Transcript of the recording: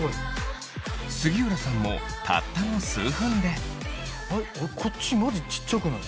杉浦さんもたったの数分でこっちマジ小っちゃくない？